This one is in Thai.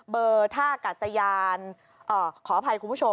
เบอร์ท่ากาศยานขออภัยคุณผู้ชม